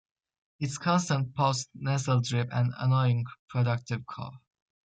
It's constant post nasal drip and an annoying productive cough